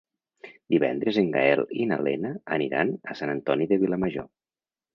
Divendres en Gaël i na Lena aniran a Sant Antoni de Vilamajor.